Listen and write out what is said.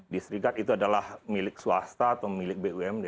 distrikat itu adalah milik swasta atau milik bumd